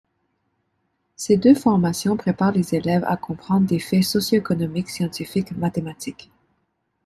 Ces deux formations préparent les élèves à comprendre des faits socio-économiques, scientifiques, mathématiques...